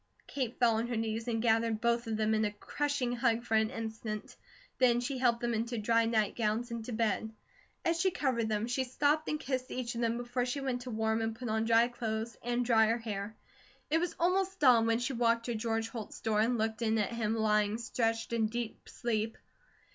Kate fell on her knees and gathered both of them in a crushing hug for an instant; then she helped them into to dry nightgowns and to bed. As she covered them she stooped and kissed each of them before she went to warm and put on dry clothes, and dry her hair. It was almost dawn when she walked to George Holt's door and looked in at him lying stretched in deep sleep.